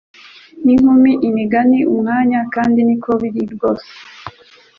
Nka inkumi imagini Umwanya kandi niko biri rwose